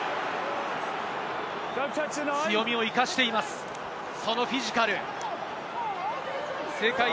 強みを生かしています、フィジカル。